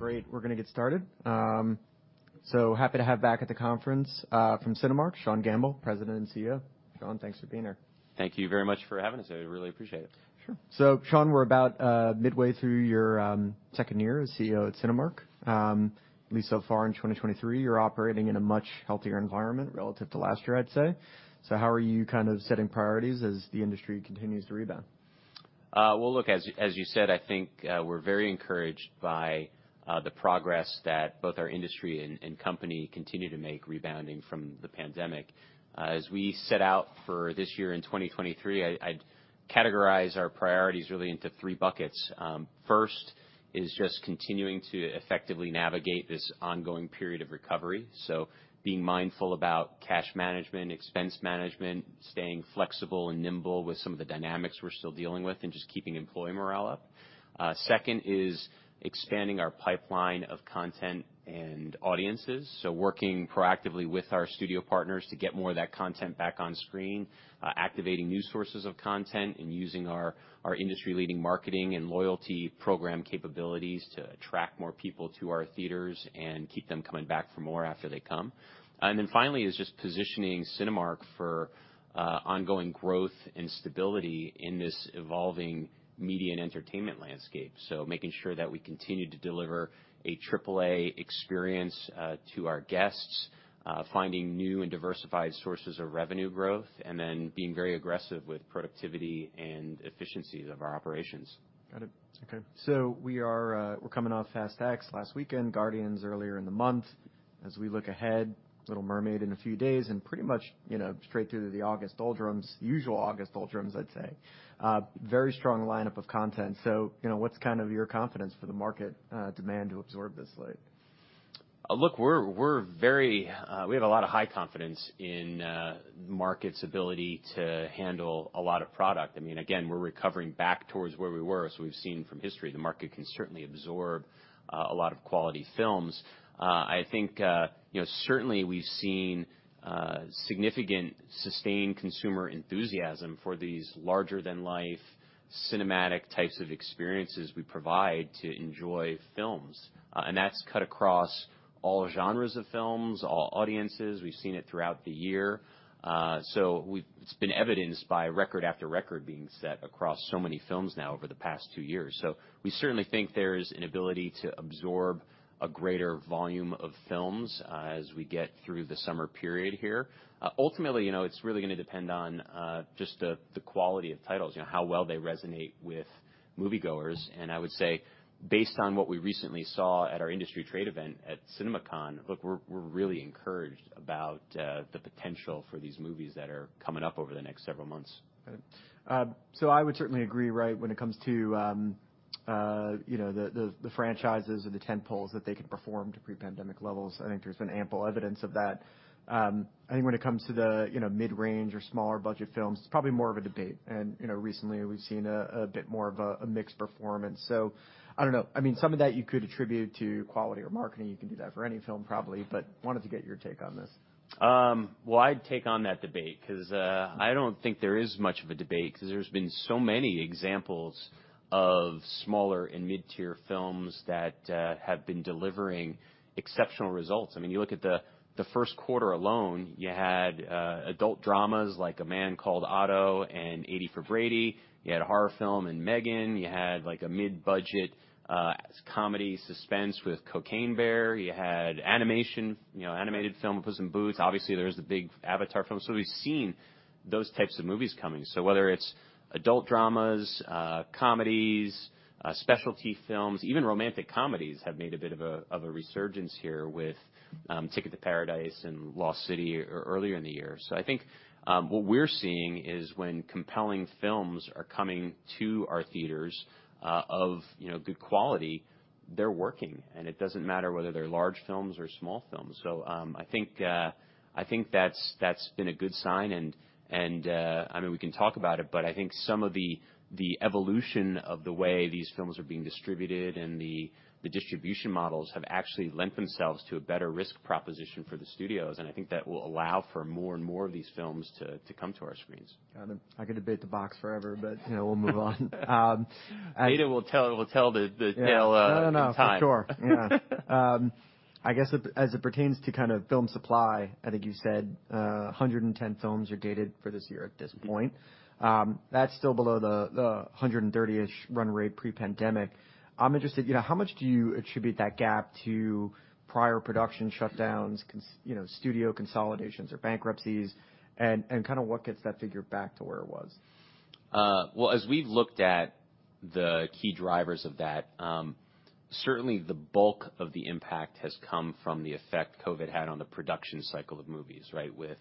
All right. Great. We're gonna get started. Happy to have back at the conference, from Cinemark, Sean Gamble, President and CEO. Sean, thanks for being here. Thank you very much for having us. I really appreciate it. Sure. Sean, we're about midway through your second year as CEO at Cinemark. At least so far in 2023, you're operating in a much healthier environment relative to last year, I'd say. How are you kind of setting priorities as the industry continues to rebound? Well, look, as you said, I think, we're very encouraged by the progress that both our industry and company continue to make rebounding from the pandemic. As we set out for this year in 2023, I'd categorize our priorities really into three buckets. First is just continuing to effectively navigate this ongoing period of recovery, so being mindful about cash management, expense management, staying flexible and nimble with some of the dynamics we're still dealing with and just keeping employee morale up. Second is expanding our pipeline of content and audiences, so working proactively with our studio partners to get more of that content back on screen, activating new sources of content and using our industry-leading marketing and loyalty program capabilities to attract more people to our theaters and keep them coming back for more after they come. Finally is just positioning Cinemark for ongoing growth and stability in this evolving media and entertainment landscape. Making sure that we continue to deliver AAA experience to our guests, finding new and diversified sources of revenue growth, and then being very aggressive with productivity and efficiencies of our operations. Got it. Okay. We are, we're coming off Fast X last weekend, Guardians earlier in the month. As we look ahead, Little Mermaid in a few days and pretty much, you know, straight through to the August doldrums, usual August doldrums, I'd say. Very strong lineup of content. You know, what's kind of your confidence for the market, demand to absorb this slate? Look, we're very. We have a lot of high confidence in the market's ability to handle a lot of product. I mean, again, we're recovering back towards where we were. We've seen from history, the market can certainly absorb a lot of quality films. I think, you know, certainly we've seen significant sustained consumer enthusiasm for these larger than life cinematic types of experiences we provide to enjoy films. That's cut across all genres of films, all audiences. We've seen it throughout the year. So it's been evidenced by record after record being set across so many films now over the past two years. We certainly think there is an ability to absorb a greater volume of films as we get through the summer period here. Ultimately, you know, it's really gonna depend on just the quality of titles, you know, how well they resonate with moviegoers. I would say, based on what we recently saw at our industry trade event at CinemaCon, look, we're really encouraged about the potential for these movies that are coming up over the next several months. Got it. I would certainly agree, right, when it comes to, you know, the franchises or the tentpoles that they could perform to pre-pandemic levels. I think there's been ample evidence of that. I think when it comes to the, you know, mid-range or smaller budget films, it's probably more of a debate. You know, recently we've seen a bit more of a mixed performance. I don't know. I mean, some of that you could attribute to quality or marketing. You can do that for any film, probably, but wanted to get your take on this. Well, I'd take on that debate because I don't think there is much of a debate because there's been so many examples of smaller and mid-tier films that have been delivering exceptional results. I mean, you look at the first quarter alone, you had adult dramas like A Man Called Otto and 80 for Brady. You had a horror film in M3GAN. You had, like, a mid-budget comedy suspense with Cocaine Bear. You had animation, you know, animated film, Puss in Boots. Obviously, there was the big Avatar film. We've seen those types of movies coming. Whether it's adult dramas, comedies, specialty films, even romantic comedies have made a bit of a resurgence here with Ticket to Paradise and Lost City earlier in the year. I think, what we're seeing is when compelling films are coming to our theaters, of, you know, good quality, they're working, and it doesn't matter whether they're large films or small films. I think, I think that's been a good sign. I mean, we can talk about it, but I think some of the evolution of the way these films are being distributed and the distribution models have actually lent themselves to a better risk proposition for the studios. I think that will allow for more and more of these films to come to our screens. Got it. I could debate the box forever, but, you know, we'll move on. Data will tell the tale in time. No, no. For sure. Yeah. I guess as it pertains to kind of film supply, I think you said 110 films are dated for this year at this point. That's still below the 130-ish run rate pre-pandemic. I'm interested, you know, how much do you attribute that gap to prior production shutdowns, you know, studio consolidations or bankruptcies? Kind of what gets that figure back to where it was? Well, as we've looked at the key drivers of that, certainly the bulk of the impact has come from the effect COVID had on the production cycle of movies, right? With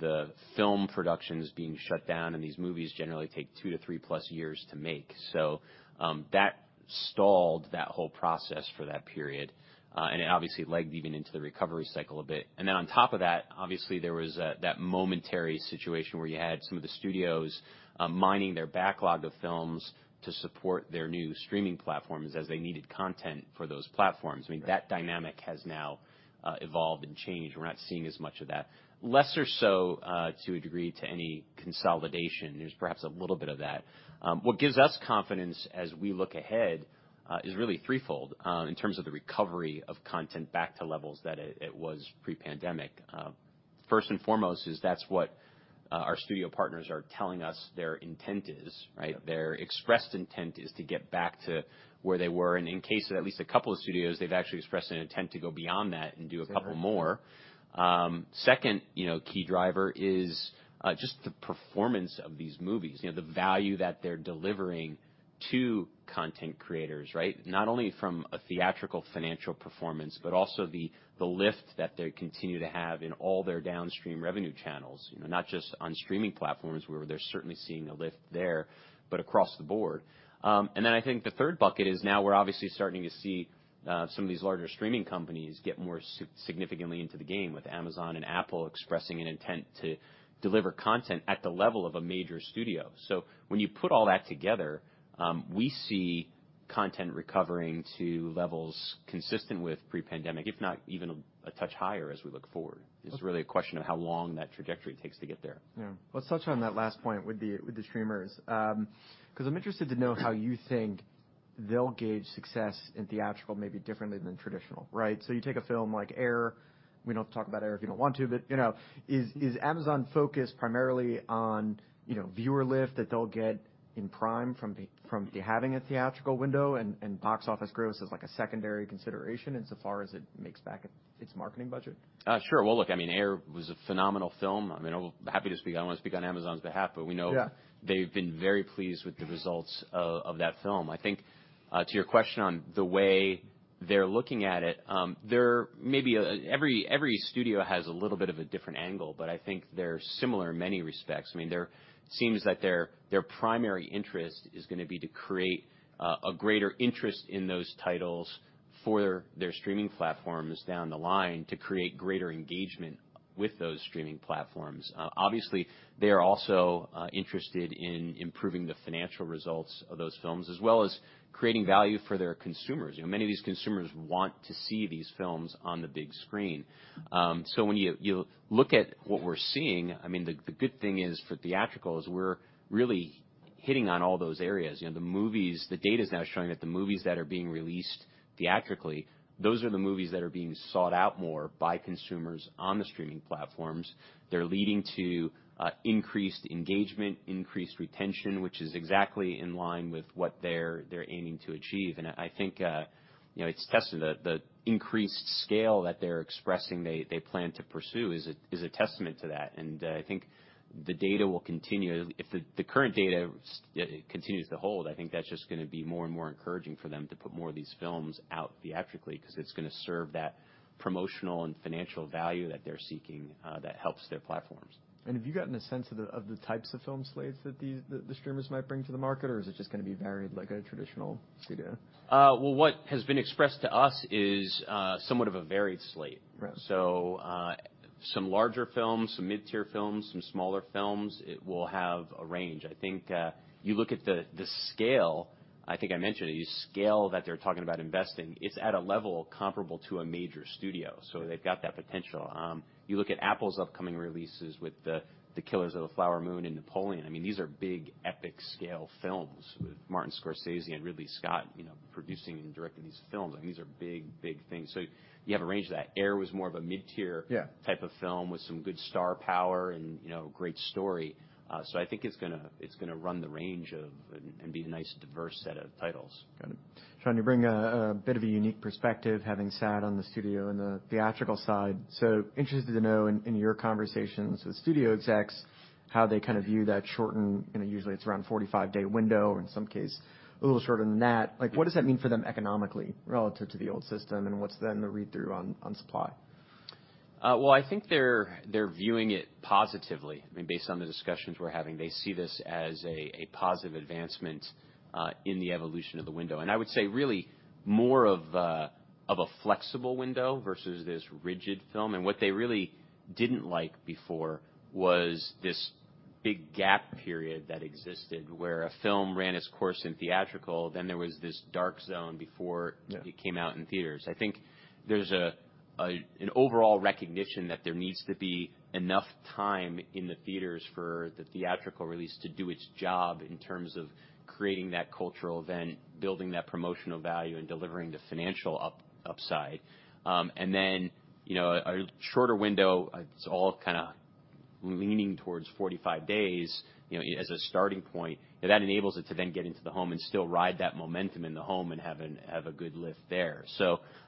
the film productions being shut down, and these movies generally take 2 to 3-plus years to make. That stalled that whole process for that period, and it obviously lagged even into the recovery cycle a bit. On top of that, obviously, there was that momentary situation where you had some of the studios, mining their backlog of films to support their new streaming platforms as they needed content for those platforms. I mean, that dynamic has now evolved and changed. We're not seeing as much of that. Lesser so, to a degree, to any consolidation. There's perhaps a little bit of that. What gives us confidence as we look ahead, is really threefold, in terms of the recovery of content back to levels that it was pre-pandemic. First and foremost is that's what our studio partners are telling us their intent is, right? Their expressed intent is to get back to where they were, and in case of at least a couple of studios, they've actually expressed an intent to go beyond that and do a couple more. Second, you know, key driver is just the performance of these movies. You know, the value that they're delivering to content creators, right? Not only from a theatrical financial performance, but also the lift that they continue to have in all their downstream revenue channels. You know, not just on streaming platforms where they're certainly seeing a lift there, but across the board. I think the third bucket is now we're obviously starting to see significantly into the game with Amazon and Apple expressing an intent to deliver content at the level of a major studio. When you put all that together, we see content recovering to levels consistent with pre-pandemic, if not even a touch higher as we look forward. It's really a question of how long that trajectory takes to get there. Yeah. Let's touch on that last point with the, with the streamers. 'Cause I'm interested to know how you think they'll gauge success in theatrical maybe differently than traditional, right? You take a film like Air, we don't have to talk about Air if you don't want to, but, you know, is Amazon focused primarily on, you know, viewer lift that they'll get in Prime from the, from having a theatrical window and box office gross as like a secondary consideration in so far as it makes back its marketing budget? Sure. Well, look, I mean, Air was a phenomenal film. I mean, I'll be happy to speak... I don't wanna speak on Amazon's behalf, but we know- Yeah -they've been very pleased with the results of that film. I think to your question on the way they're looking at it, there maybe, every studio has a little bit of a different angle, but I think they're similar in many respects. I mean, there seems that their primary interest is gonna be to create a greater interest in those titles for their streaming platforms down the line to create greater engagement with those streaming platforms. Obviously, they are also interested in improving the financial results of those films as well as creating value for their consumers. You know, many of these consumers want to see these films on the big screen. When you look at what we're seeing, I mean, the good thing is for theatrical is we're really hitting on all those areas. You know, the movies, the data is now showing that the movies that are being released theatrically, those are the movies that are being sought out more by consumers on the streaming platforms. They're leading to increased engagement, increased retention, which is exactly in line with what they're aiming to achieve. I think, you know, it's tested. The increased scale that they're expressing they plan to pursue is a testament to that. I think the data will continue. If the current data continues to hold, I think that's just gonna be more and more encouraging for them to put more of these films out theatrically, 'cause it's gonna serve that promotional and financial value that they're seeking that helps their platforms. Have you gotten a sense of the types of film slates that the streamers might bring to the market, or is it just gonna be varied like a traditional studio? Well, what has been expressed to us is, somewhat of a varied slate. Right. Some larger films, some mid-tier films, some smaller films. It will have a range. I think you look at the scale, I think I mentioned it, the scale that they're talking about investing, it's at a level comparable to a major studio. They've got that potential. You look at Apple's upcoming releases with the Killers of the Flower Moon and Napoleon. These are big, epic-scale films with Martin Scorsese and Ridley Scott, you know, producing and directing these films. These are big, big things. You have a range of that. Air was more of a mid-tier- Yeah -type of film with some good star power and, you know, great story. I think it's gonna run the range of and be a nice diverse set of titles. Got it. Sean, you bring a bit of a unique perspective having sat on the studio and the theatrical side. Interested to know in your conversations with studio execs, how they kind of view that shortened, you know, usually it's around 45 day window, or in some case, a little shorter than that. Like, what does that mean for them economically relative to the old system? What's then the read-through on supply? Well, I think they're viewing it positively. I mean, based on the discussions we're having, they see this as a positive advancement in the evolution of the window. I would say really more of a flexible window versus this rigid film. What they really didn't like before was this big gap period that existed where a film ran its course in theatrical, then there was this dark zone before- Yeah -it came out in theaters. I think there's an overall recognition that there needs to be enough time in the theaters for the theatrical release to do its job in terms of creating that cultural event, building that promotional value, and delivering the financial upside. Then, you know, a shorter window, it's all kinda leaning towards 45 days, you know, as a starting point, that enables it to then get into the home and still ride that momentum in the home and have a good lift there.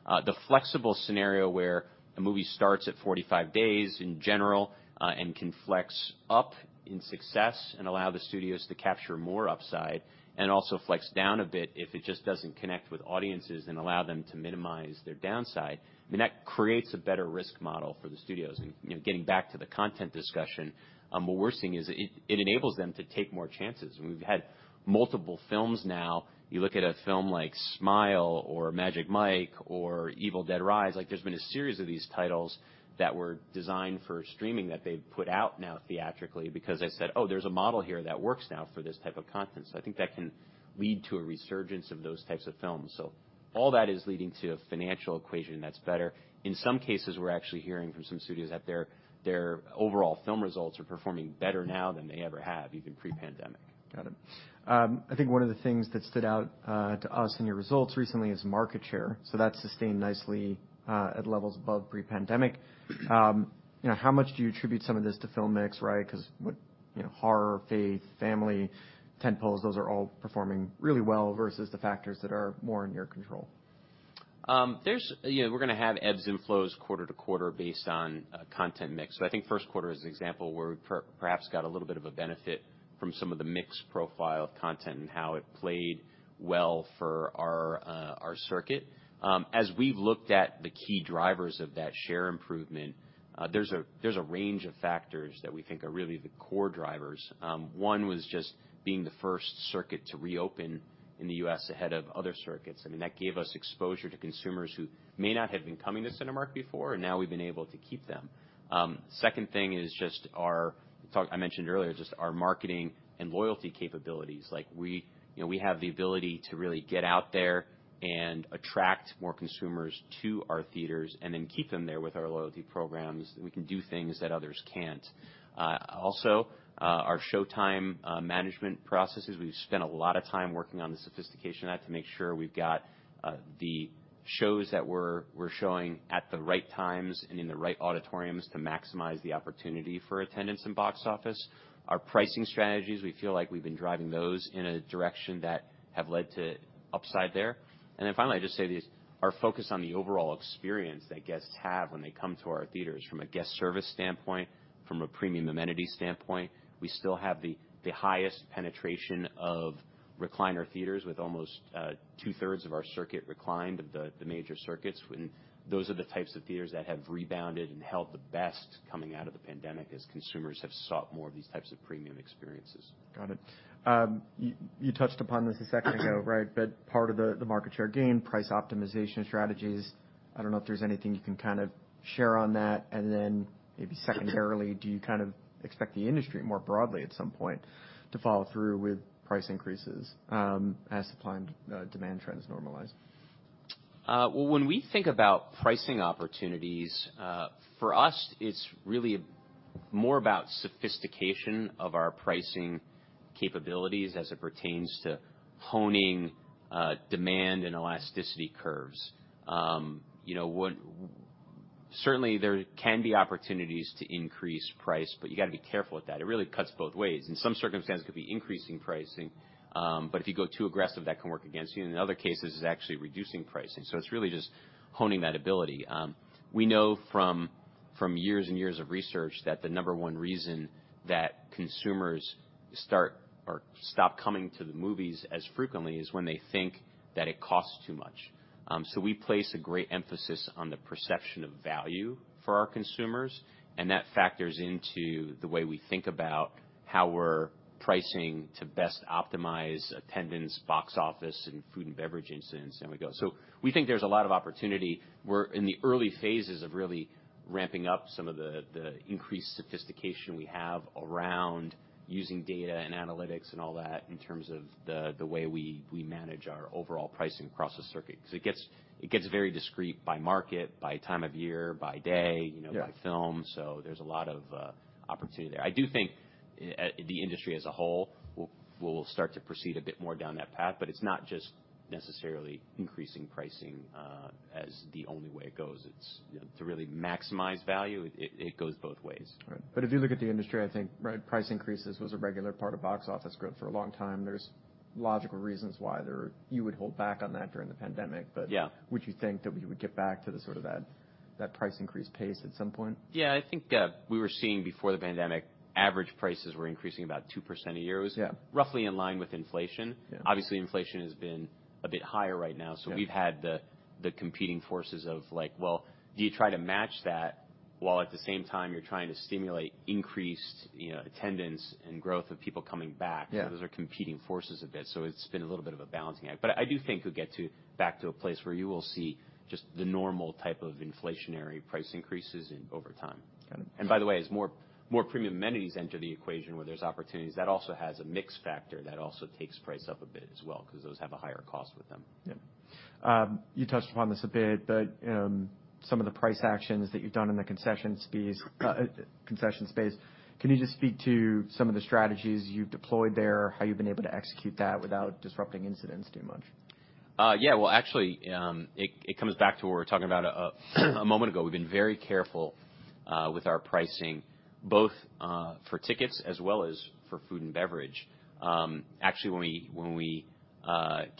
The flexible scenario where a movie starts at 45 days in general, and can flex up in success and allow the studios to capture more upside and also flex down a bit if it just doesn't connect with audiences and allow them to minimize their downside, I mean, that creates a better risk model for the studios. You know, getting back to the content discussion, what we're seeing is it enables them to take more chances. We've had multiple films now. You look at a film like Smile or Magic Mike or Evil Dead Rise, like there's been a series of these titles that were designed for streaming that they've put out now theatrically because they said, "Oh, there's a model here that works now for this type of content." I think that can lead to a resurgence of those types of films. All that is leading to a financial equation that's better. In some cases, we're actually hearing from some studios that their overall film results are performing better now than they ever have, even pre-pandemic. Got it. I think one of the things that stood out to us in your results recently is market share. That sustained nicely at levels above pre-pandemic. You know, how much do you attribute some of this to film mix, right? 'Cause what, you know, horror, faith, family, tentpoles, those are all performing really well versus the factors that are more in your control? You know, we're gonna have ebbs and flows quarter to quarter based on content mix. I think first quarter is an example where we perhaps got a little bit of a benefit from some of the mix profile of content and how it played well for our circuit. As we've looked at the key drivers of that share improvement, there's a range of factors that we think are really the core drivers. One was just being the first circuit to reopen in the U.S. ahead of other circuits. I mean, that gave us exposure to consumers who may not have been coming to Cinemark before, and now we've been able to keep them. Second thing is Talk, I mentioned earlier, just our marketing and loyalty capabilities. Like, we, you know, we have the ability to really get out there and attract more consumers to our theaters and then keep them there with our loyalty programs. We can do things that others can't. Also, our showtime management processes, we've spent a lot of time working on the sophistication of that to make sure we've got the shows that we're showing at the right times and in the right auditoriums to maximize the opportunity for attendance and box office. Our pricing strategies, we feel like we've been driving those in a direction that have led to upside there. Finally, I'd just say this, our focus on the overall experience that guests have when they come to our theaters from a guest service standpoint, from a premium amenity standpoint, we still have the highest penetration of recliner theaters with almost two-thirds of our circuit reclined of the major circuits. Those are the types of theaters that have rebounded and held the best coming out of the pandemic as consumers have sought more of these types of premium experiences. Got it. You touched upon this a second ago, right? Part of the market share gain, price optimization strategies, I don't know if there's anything you can kind of share on that. Maybe secondarily, do you kind of expect the industry more broadly at some point to follow through with price increases, as supply and demand trends normalize? Well, when we think about pricing opportunities, for us, it's really more about sophistication of our pricing capabilities as it pertains to honing, demand and elasticity curves. You know, certainly, there can be opportunities to increase price, but you gotta be careful with that. It really cuts both ways. In some circumstances, it could be increasing pricing, but if you go too aggressive, that can work against you. In other cases, it's actually reducing pricing. It's really just honing that ability. We know from years and years of research that the number 1 reason that consumers start or stop coming to the movies as frequently is when they think that it costs too much. We place a great emphasis on the perception of value for our consumers, and that factors into the way we think about how we're pricing to best optimize attendance, box office, and food and beverage incidence, and we go. We think there's a lot of opportunity. We're in the early phases of really ramping up some of the increased sophistication we have around using data and analytics and all that in terms of the way we manage our overall pricing across the circuit. 'Cause it gets very discreet by market, by time of year, by day, you know- Yeah -by film. There's a lot of opportunity there. I do think the industry as a whole will start to proceed a bit more down that path. It's not just necessarily increasing pricing as the only way it goes. It's, you know, to really maximize value, it goes both ways. Right. If you look at the industry, I think, right, price increases was a regular part of box office growth for a long time. There's logical reasons why you would hold back on that during the pandemic, but. Yeah Would you think that we would get back to the sort of that price increase pace at some point? Yeah. I think, we were seeing before the pandemic, average prices were increasing about 2% a year. Yeah. It was roughly in line with inflation. Yeah. Obviously, inflation has been a bit higher right now. Yeah. we've had the competing forces of, like, well, do you try to match that while at the same time you're trying to stimulate increased, you know, attendance and growth of people coming back? Yeah. Those are competing forces a bit. It's been a little bit of a balancing act. I do think we'll get back to a place where you will see just the normal type of inflationary price increases in over time. Got it. by the way, as more premium amenities enter the equation where there's opportunities, that also has a mix factor that also takes price up a bit as well, 'cause those have a higher cost with them. Yeah. You touched upon this a bit, but, some of the price actions that you've done in the concessions fees, concession space, can you just speak to some of the strategies you've deployed there, how you've been able to execute that without disrupting incidents too much? Yeah. Well, actually, it comes back to what we were talking about a moment ago. We've been very careful with our pricing, both for tickets as well as for food and beverage. Actually when we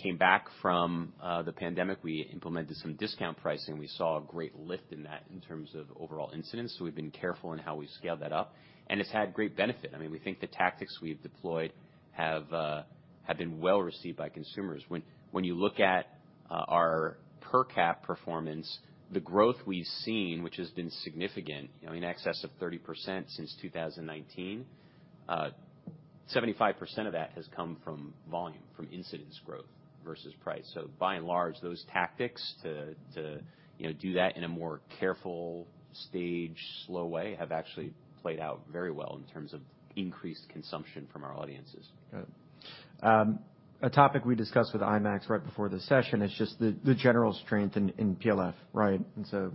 came back from the pandemic, we implemented some discount pricing. We saw a great lift in that in terms of overall incidents, we've been careful in how we've scaled that up, and it's had great benefit. I mean, we think the tactics we've deployed have been well received by consumers. When you look at our per cap performance, the growth we've seen, which has been significant, you know, in excess of 30% since 2019, 75% of that has come from volume, from incidence growth versus price. By and large, those tactics to, you know, do that in a more careful, staged, slow way, have actually played out very well in terms of increased consumption from our audiences. Got it. A topic we discussed with IMAX right before this session is just the general strength in PLF, right?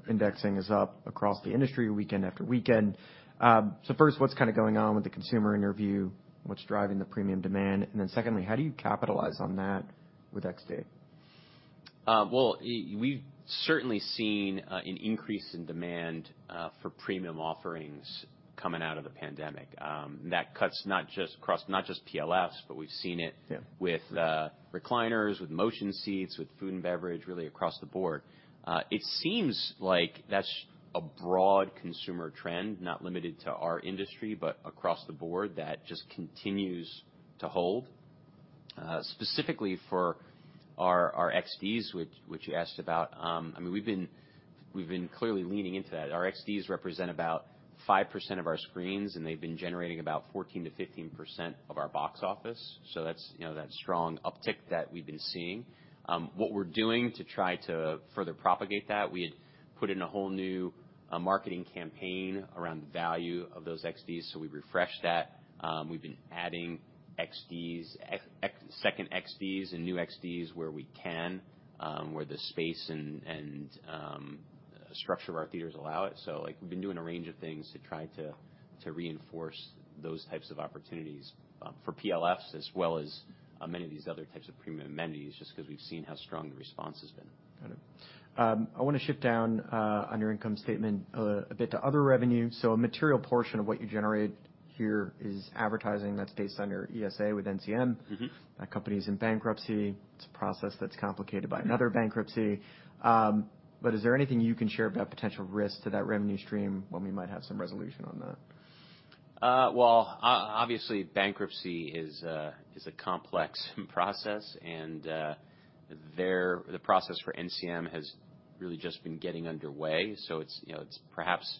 Indexing is up across the industry weekend after weekend. First, what's kind of going on with the consumer interview? What's driving the premium demand? Secondly, how do you capitalize on that with XD? Well, we've certainly seen an increase in demand for premium offerings coming out of the pandemic. That cuts across not just PLFs, but we've seen it- Yeah. -with recliners, with motion seats, with food and beverage, really across the board. It seems like that's a broad consumer trend, not limited to our industry, but across the board that just continues to hold. Specifically for our XDs which you asked about. I mean, we've been clearly leaning into that. Our XDs represent about 5% of our screens, and they've been generating about 14%-15% of our box office. That's, you know, that strong uptick that we've been seeing. What we're doing to try to further propagate that, we had put in a whole new marketing campaign around the value of those XDs, so we refreshed that. We've been adding XDs, second XDs and new XDs where we can, where the space and structure of our theaters allow it. Like, we've been doing a range of things to try to reinforce those types of opportunities, for PLFs as well as many of these other types of premium amenities just 'cause we've seen how strong the response has been. Got it. I wanna shift down on your income statement a bit to other revenue. A material portion of what you generate here is advertising that's based on your ESA with NCM. Mm-hmm. That company's in bankruptcy. It's a process that's complicated by another bankruptcy. Is there anything you can share about potential risks to that revenue stream when we might have some resolution on that? Well, obviously bankruptcy is a complex process, and the process for NCM has really just been getting underway, so it's, you know, it's perhaps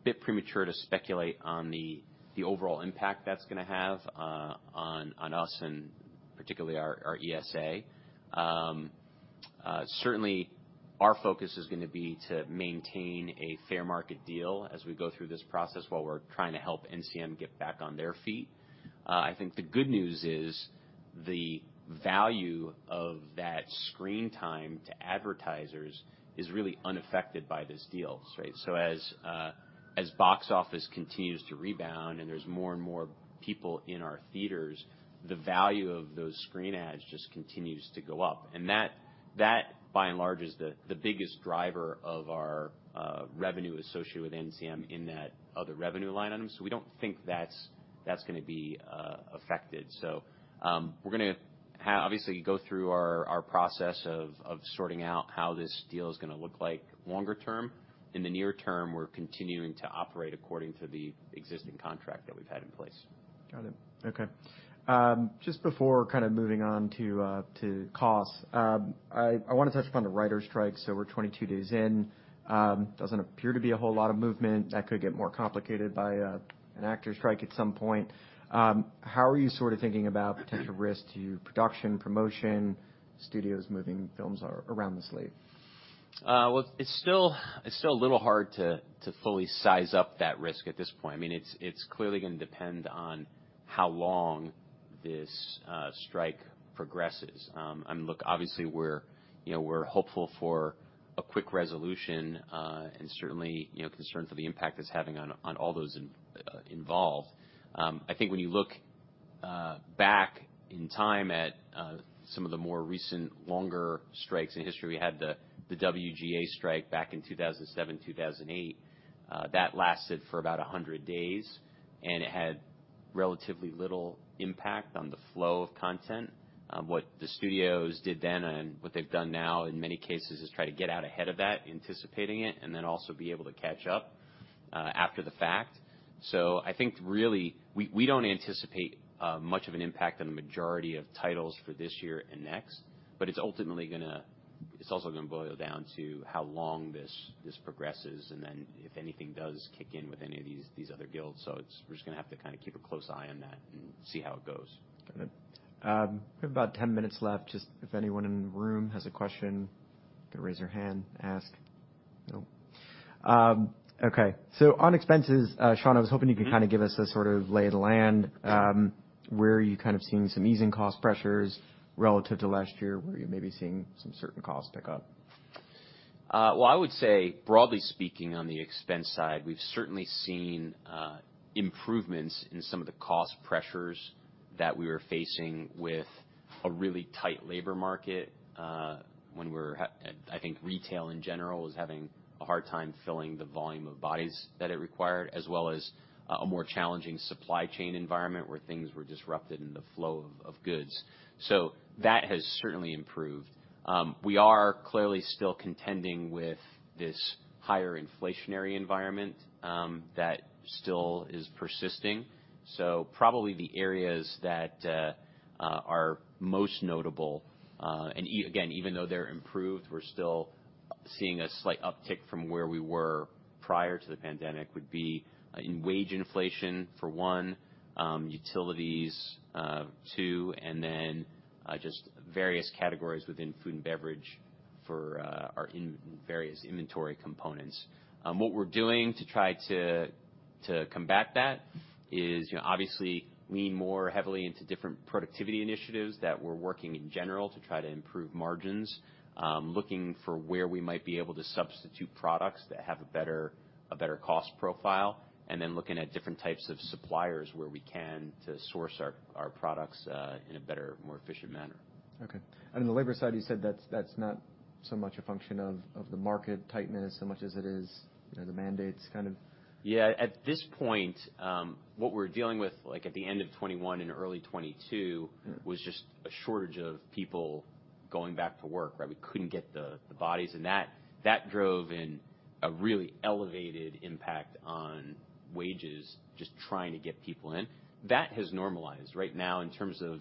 a bit premature to speculate on the overall impact that's gonna have on us and particularly our ESA. Certainly our focus is gonna be to maintain a fair market deal as we go through this process while we're trying to help NCM get back on their feet. I think the good news is the value of that screen time to advertisers is really unaffected by this deal, right? As box office continues to rebound and there's more and more people in our theaters, the value of those screen ads just continues to go up. That by and large is the biggest driver of our revenue associated with NCM in that other revenue line item. We don't think that's gonna be affected. We're gonna obviously go through our process of sorting out how this deal is gonna look like longer term. In the near term, we're continuing to operate according to the existing contract that we've had in place. Got it. Okay. Just before kind of moving on to costs, I wanna touch upon the writers' strike. We're 22 days in. Doesn't appear to be a whole lot of movement. That could get more complicated by an actors' strike at some point. How are you sort of thinking about potential risk to production, promotion, studios moving films around the sleeve? Well, it's still a little hard to fully size up that risk at this point. I mean, it's clearly gonna depend on how long this strike progresses. I mean, look, obviously we're, you know, hopeful for a quick resolution, and certainly, you know, concerned for the impact it's having on all those involved. I think when you look back in time at some of the more recent longer strikes in history. We had the WGA strike back in 2007, 2008. That lasted for about 100 days, and it had relatively little impact on the flow of content. What the studios did then and what they've done now in many cases is try to get out ahead of that, anticipating it, and then also be able to catch up after the fact. I think really we don't anticipate much of an impact on the majority of titles for this year and next, but it's ultimately gonna. It's also gonna boil down to how long this progresses and then if anything does kick in with any of these other guilds. It's we're just gonna have to kinda keep a close eye on that and see how it goes. Got it. We have about 10 minutes left. Just if anyone in the room has a question, you can raise your hand, ask. No. Okay. On expenses, Sean, I was hoping you could-inda give us a sort of lay of the land. Where are you kind of seeing some easing cost pressures relative to last year? Where you may be seeing some certain costs pick up? Well, I would say broadly speaking on the expense side, we've certainly seen improvements in some of the cost pressures that we were facing with a really tight labor market, I think retail in general was having a hard time filling the volume of bodies that it required, as well as a more challenging supply chain environment where things were disrupted in the flow of goods. That has certainly improved. We are clearly still contending with this higher inflationary environment, that still is persisting. Probably the areas that are most notable, Again, even though they're improved, we're still seeing a slight uptick from where we were prior to the pandemic, would be in wage inflation for one, utilities, two, and then just various categories within food and beverage for our various inventory components. What we're doing to combat that is, you know, obviously lean more heavily into different productivity initiatives that we're working in general to try to improve margins. Looking for where we might be able to substitute products that have a better cost profile, and then looking at different types of suppliers where we can to source our products in a better, more efficient manner. Okay. On the labor side, you said that's not so much a function of the market tightness so much as it is, you know, the mandates kind of... Yeah. At this point, what we're dealing with, like at the end of 2021 and early 2022. Mm-hmm... was just a shortage of people going back to work, right? We couldn't get the bodies. That drove in a really elevated impact on wages just trying to get people in. That has normalized. Right now, in terms of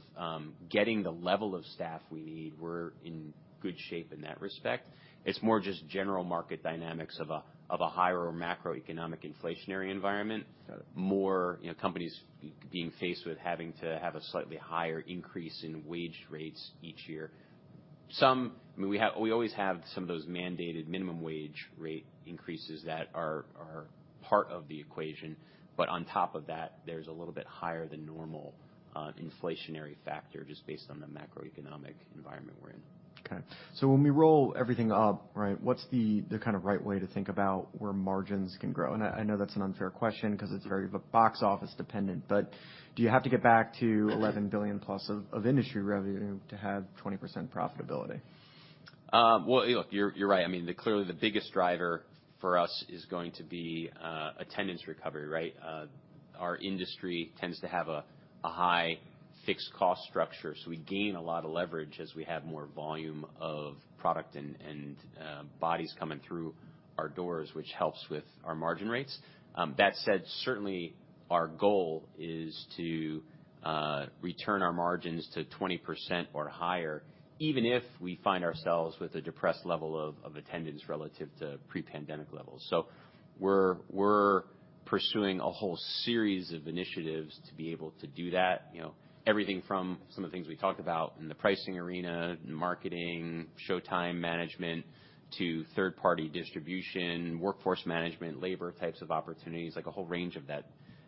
getting the level of staff we need, we're in good shape in that respect. It's more just general market dynamics of a higher macroeconomic inflationary environment. Got it. More, you know, companies being faced with having to have a slightly higher increase in wage rates each year. I mean, we always have some of those mandated minimum wage rate increases that are part of the equation. On top of that, there's a little bit higher than normal inflationary factor just based on the macroeconomic environment we're in. When we roll everything up, right, what's the kind of right way to think about where margins can grow? I know that's an unfair question 'cause it's very of a box office dependent. Do you have to get back to $11 billion+ of industry revenue to have 20% profitability? Well, look, you're right. I mean, clearly the biggest driver for us is going to be attendance recovery, right? Our industry tends to have a high fixed cost structure, so we gain a lot of leverage as we have more volume of product and bodies coming through our doors, which helps with our margin rates. That said, certainly our goal is to return our margins to 20% or higher, even if we find ourselves with a depressed level of attendance relative to pre-pandemic levels. We're pursuing a whole series of initiatives to be able to do that. You know, everything from some of the things we talked about in the pricing arena, in marketing, showtime management, to third-party distribution, workforce management, labor types of opportunities, like a whole range of that,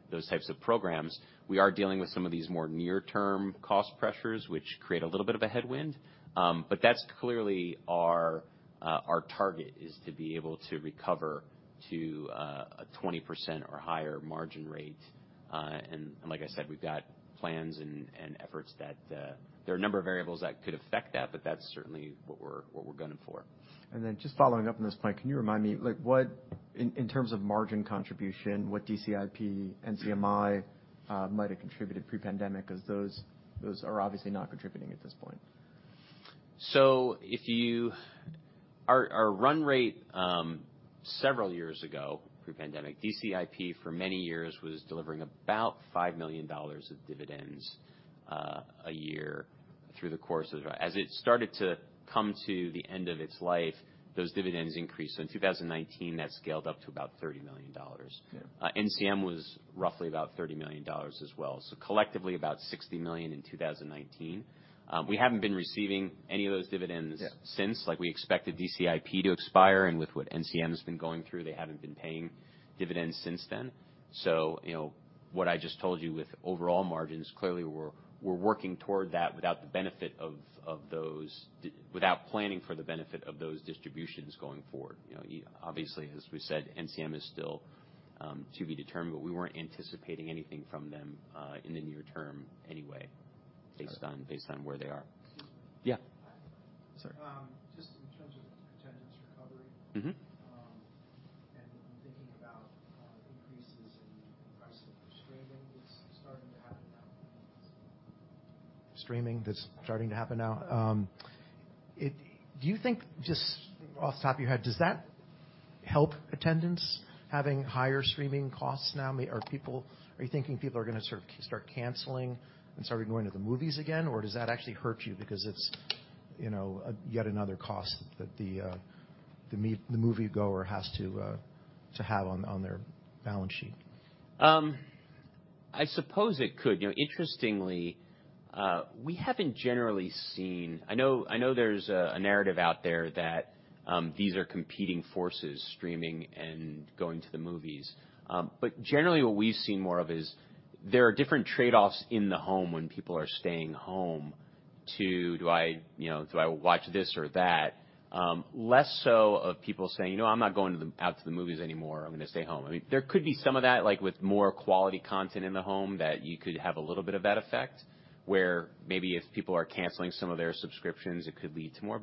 those types of programs. We are dealing with some of these more near-term cost pressures, which create a little bit of a headwind. That's clearly our target, is to be able to recover to a 20% or higher margin rate. Like I said, we've got plans and efforts that there are a number of variables that could affect that, but that's certainly what we're gunning for. Just following up on this point, can you remind me, like what, in terms of margin contribution, what DCIP, NCMI might have contributed pre-pandemic? As those are obviously not contributing at this point. Our run rate, several years ago, pre-pandemic, DCIP for many years was delivering about $5 million of dividends a year through the course of. As it started to come to the end of its life, those dividends increased. In 2019, that scaled up to about $30 million. Okay. NCM was roughly about $30 million as well. Collectively, about $60 million in 2019. We haven't been receiving any of those dividends. Yeah... since. Like we expected DCIP to expire, and with what NCM has been going through, they haven't been paying dividends since then. You know, what I just told you with overall margins, clearly we're working toward that without the benefit of those without planning for the benefit of those distributions going forward. You know, obviously, as we said, NCM is still to be determined, but we weren't anticipating anything from them in the near term anyway based on. Okay... based on where they are. Yeah. Sorry. just in terms of attendance recovery- Mm-hmm In thinking about increases in the price of streaming that's starting to happen now. Streaming that's starting to happen now. Do you think, just off the top of your head, does that help attendance, having higher streaming costs now? I mean, are you thinking people are gonna sort of start canceling and start going to the movies again? Or does that actually hurt you because it's, you know, yet another cost that the moviegoer has to have on their balance sheet? I suppose it could. You know, interestingly, we haven't generally seen... I know there's a narrative out there that these are competing forces, streaming and going to the movies. Generally what we've seen more of is there are different trade-offs in the home when people are staying home to do, you know, do I watch this or that? Less so of people saying, "You know what? I'm not going out to the movies anymore. I'm gonna stay home." I mean, there could be some of that, like with more quality content in the home that you could have a little bit of that effect. Where maybe if people are canceling some of their subscriptions, it could lead to more.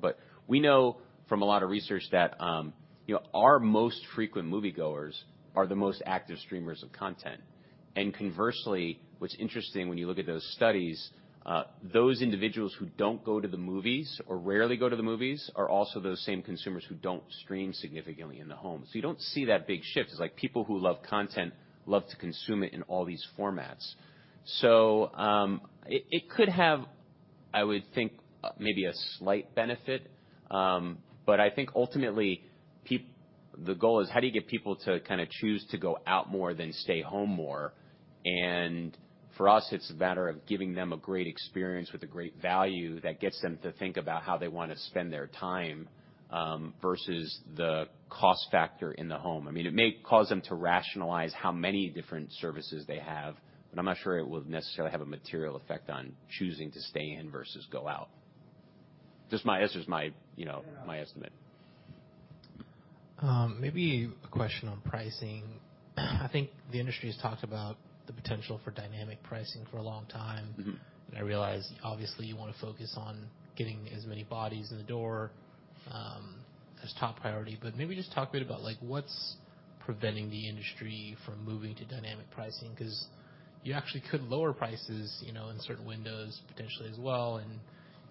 We know from a lot of research that, you know, our most frequent moviegoers are the most active streamers of content. Conversely, what's interesting when you look at those studies, those individuals who don't go to the movies or rarely go to the movies are also those same consumers who don't stream significantly in the home. You don't see that big shift, 'cause like people who love content love to consume it in all these formats. It, it could have, I would think, maybe a slight benefit. I think ultimately the goal is how do you get people to kinda choose to go out more than stay home more? For us, it's a matter of giving them a great experience with a great value that gets them to think about how they wanna spend their time versus the cost factor in the home. I mean, it may cause them to rationalize how many different services they have, but I'm not sure it would necessarily have a material effect on choosing to stay in versus go out. Just my. It's just my, you know, my estimate. Maybe a question on pricing. I think the industry has talked about the potential for dynamic pricing for a long time. Mm-hmm. I realize obviously you wanna focus on getting as many bodies in the door as top priority, but maybe just talk a bit about, like, what's preventing the industry from moving to dynamic pricing. 'Cause you actually could lower prices, you know, in certain windows potentially as well, and,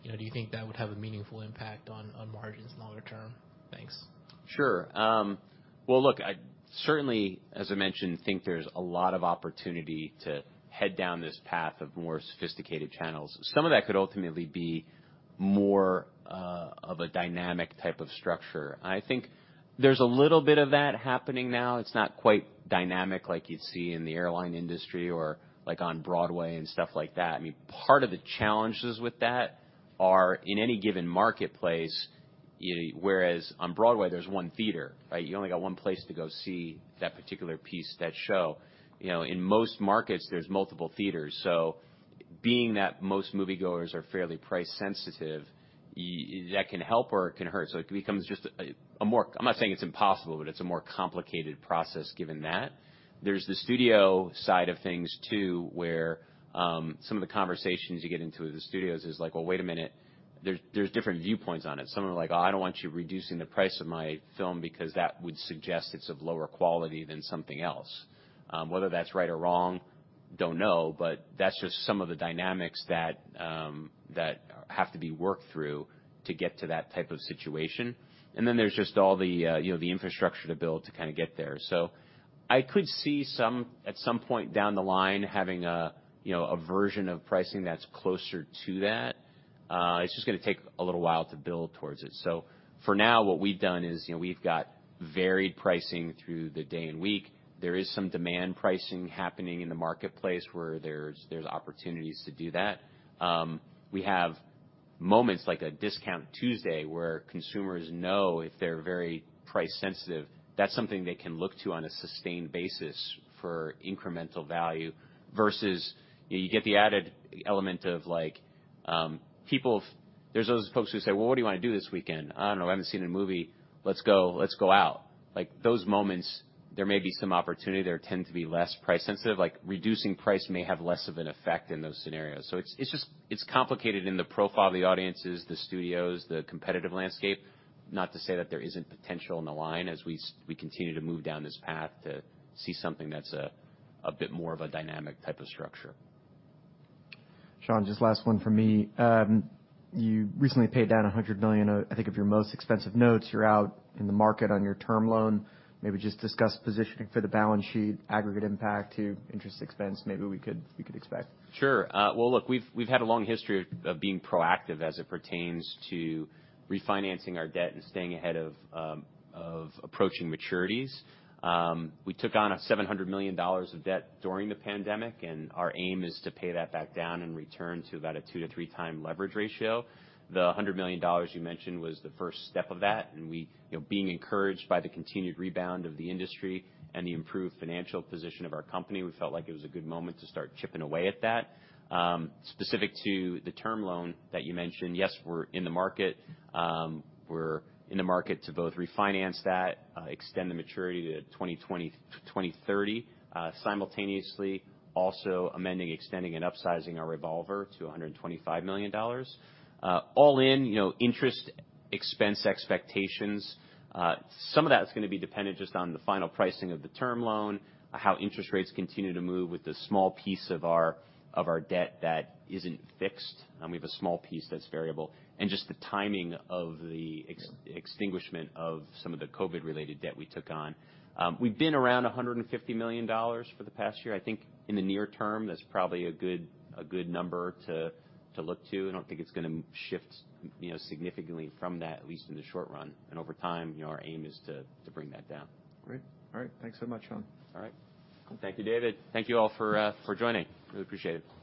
you know, do you think that would have a meaningful impact on margins longer term? Thanks. Sure. Well, look, I certainly, as I mentioned, think there's a lot of opportunity to head down this path of more sophisticated channels. Some of that could ultimately be more of a dynamic type of structure. I think there's a little bit of that happening now. It's not quite dynamic like you'd see in the airline industry or, like, on Broadway and stuff like that. I mean, part of the challenges with that are in any given marketplace, whereas on Broadway there's one theater, right? You only got one place to go see that particular piece, that show. You know, in most markets there's multiple theaters. Being that most moviegoers are fairly price sensitive, that can help or it can hurt. It becomes just a more. I'm not saying it's impossible, but it's a more complicated process given that. There's the studio side of things too where, some of the conversations you get into with the studios is like, "Well, wait a minute." There's different viewpoints on it. Some of them are like, "Oh, I don't want you reducing the price of my film because that would suggest it's of lower quality than something else." Whether that's right or wrong, don't know, but that's just some of the dynamics that have to be worked through to get to that type of situation. Then there's just all the, you know, the infrastructure to build to kind of get there. I could see some, at some point down the line having a, you know, a version of pricing that's closer to that. It's just gonna take a little while to build towards it. For now, what we've done is, you know, we've got varied pricing through the day and week. There is some demand pricing happening in the marketplace where there's opportunities to do that. We have moments like a Discount Tuesday, where consumers know if they're very price sensitive, that's something they can look to on a sustained basis for incremental value versus... You get the added element of, like, There's those folks who say, "Well, what do you wanna do this weekend?" "I don't know. I haven't seen a movie. Let's go out." Like, those moments, there may be some opportunity there, tend to be less price sensitive. Like, reducing price may have less of an effect in those scenarios. It's just, it's complicated in the profile of the audiences, the studios, the competitive landscape. Not to say that there isn't potential on the line as we continue to move down this path to see something that's a bit more of a dynamic type of structure. Sean, just last one from me. You recently paid down $100 million, I think of your most expensive notes. You're out in the market on your term loan. Maybe just discuss positioning for the balance sheet, aggregate impact to interest expense, maybe we could expect. Sure. Well, look, we've had a long history of being proactive as it pertains to refinancing our debt and staying ahead of approaching maturities. We took on a $700 million of debt during the pandemic, our aim is to pay that back down and return to about a two to three time leverage ratio. The $100 million you mentioned was the first step of that. You know, being encouraged by the continued rebound of the industry and the improved financial position of our company, we felt like it was a good moment to start chipping away at that. Specific to the term loan that you mentioned, yes, we're in the market. We're in the market to both refinance that, extend the maturity to 2030. Simultaneously, also amending, extending, and upsizing our revolver to $125 million. All in, you know, interest expense expectations, some of that's gonna be dependent just on the final pricing of the term loan, how interest rates continue to move with the small piece of our, of our debt that isn't fixed, we have a small piece that's variable, and just the timing of the extinguishment of some of the COVID-related debt we took on. We've been around $150 million for the past year. I think in the near term, that's probably a good, a good number to look to. I don't think it's gonna shift, you know, significantly from that, at least in the short run. Over time, you know, our aim is to bring that down. Great. All right. Thanks so much, Sean. All right. Thank you, David. Thank you all for for joining. Really appreciate it.